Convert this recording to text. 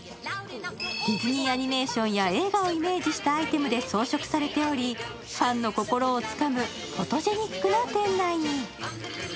ディズニーアニメーションや映画をイメージしたアイテムで装飾されておりファンの心をつかむフォトジェニックな店内に。